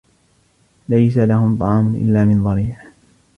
ليس لهم طعام إلا من ضريع